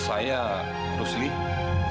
saya mantan suaminya lenny